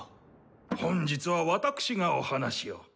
本日は私がお話を。